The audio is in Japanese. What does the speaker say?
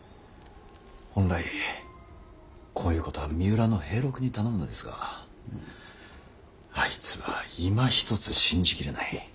本来こういうことは三浦の平六に頼むのですがあいつはいまひとつ信じ切れない。